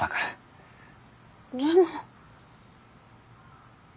でも。